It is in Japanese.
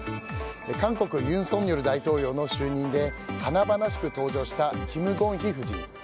韓国、尹錫悦大統領の就任で華々しく登場した金建希夫人。